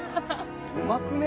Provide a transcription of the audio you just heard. うまくね？